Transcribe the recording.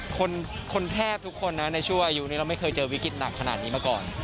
คนแทบทุกคนนะในช่วงอายุนี้เราไม่เคยเจอวิกฤตหนักขนาดนี้มาก่อน